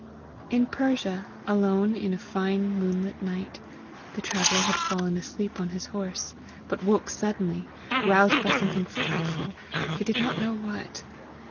In Persia, alone in a fine moonlit night, the traveller had fallen asleep on his horse, but woke suddenly, roused by something frightful, he did not know what.